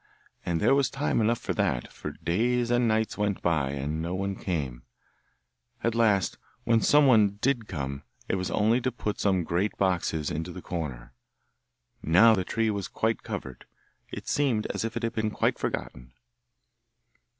And there was time enough for that, for days and nights went by, and no one came; at last when some one did come, it was only to put some great boxes into the corner. Now the tree was quite covered; it seemed as if it had been quite forgotten.